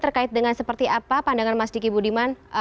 terkait dengan seperti apa pandangan mas diki budiman